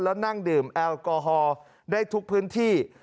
และนั่งดื่มแอลกอฮอล์ได้ทุกพื้นที่